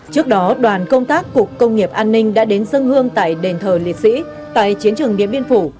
trước đó đoàn công tác cục công nghiệp an ninh đã đến dân hương tại đền thờ liệt sĩ tại chiến trường điện biên phủ